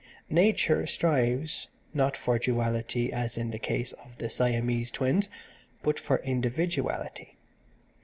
Nature strives, not for duality as in the case of the Siamese Twins but for individuality.